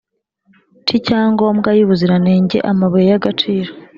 cicyangombwa y ubuziranenge Amabuye y agaciro